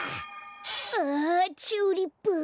あチューリップ。